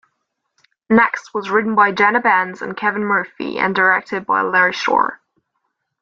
"Next" was written by Jenna Bans and Kevin Murphy and directed by Larry Shaw.